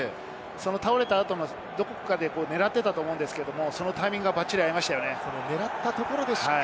倒れたあと、どこかで狙っていたと思うんですけれど、タイミングがばっちり合いました。